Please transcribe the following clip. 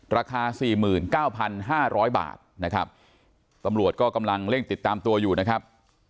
ราคาสี่หมื่นเก้าพันห้าร้อยบาทนะครับตำรวจก็กำลังเล่นติดตามตัวอยู่นะครับ